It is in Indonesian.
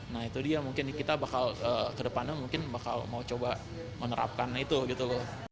nah itu dia mungkin kita bakal kedepannya mungkin bakal mau coba menerapkan itu gitu loh